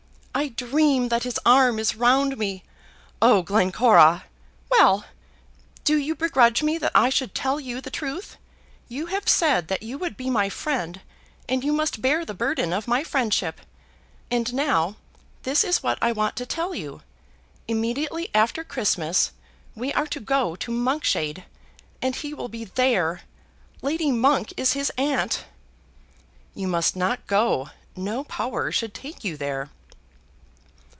I dream that his arm is round me " "Oh, Glencora!" "Well! Do you begrudge me that I should tell you the truth? You have said that you would be my friend, and you must bear the burden of my friendship. And now, this is what I want to tell you. Immediately after Christmas, we are to go to Monkshade, and he will be there. Lady Monk is his aunt." "You must not go. No power should take you there."